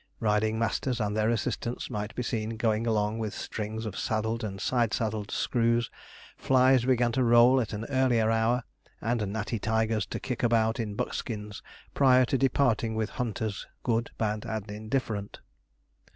Riding masters and their assistants might be seen going along with strings of saddled and side saddled screws; flys began to roll at an earlier hour, and natty tigers to kick about in buckskins prior to departing with hunters, good, bad, and indifferent.